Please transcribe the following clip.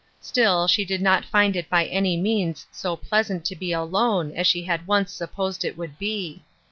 Still she did not find it by any means so pleasant to be alone as she had once supposed it would be.